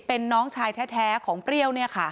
เป็นน้องชายแท้ของเปรี้ยว